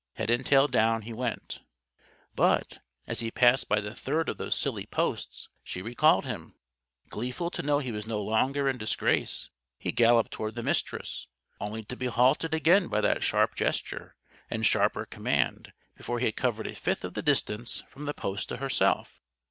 Head and tail down, he went. But, as he passed by the third of those silly posts, she recalled him. Gleeful to know he was no longer in disgrace he galloped toward the Mistress; only to be halted again by that sharp gesture and sharper command before he had covered a fifth of the distance from the post to herself.